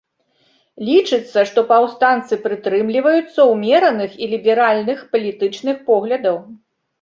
Лічыцца, што паўстанцы прытрымліваюцца ўмераных і ліберальных палітычных поглядаў.